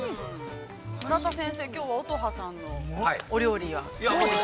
村田先生、きょうは乙葉さんのお料理は。